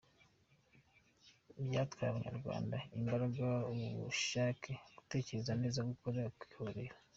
“Byatwaye abanyarwanda imbaraga, ubushake, gutekereza neza, gukora, kwikorera.